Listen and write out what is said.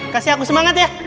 kasih aku semangat ya